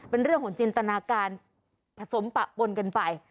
เป็นเรื่องของจินตนาการผสมปะปนกันไป